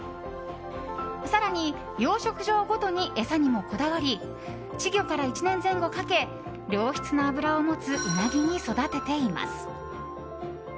更に、養殖場ごとに餌にもこだわり稚魚から１年前後かけ良質な脂を持つうなぎに育てています。